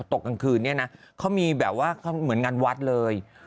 กลางคืนเนี่ยนะเขามีแบบว่าเหมือนงานวัดเลย